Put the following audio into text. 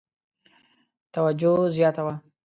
توجه زیاته وه.